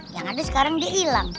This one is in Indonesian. yang ada sekarang dia hilang